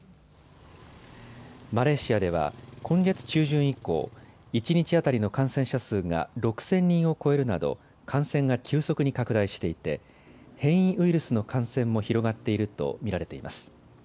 マレーシアでは今月中旬以降、一日当たりの感染者数が６０００人を超えるなど感染が急速に拡大していて変異ウイルスの感染も広がっていると見られています。